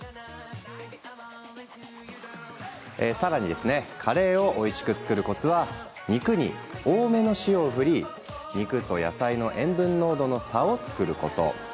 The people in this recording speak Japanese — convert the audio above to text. さらにカレーをおいしく作るコツは肉に多めの塩を振り、肉と野菜の塩分濃度の差を作ること。